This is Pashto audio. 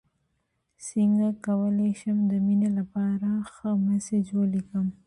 څنګه کولی شم د مینې لپاره ښه میسج ولیکم